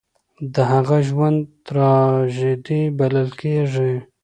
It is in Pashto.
د هغه ژوند تراژيدي بلل کېږي.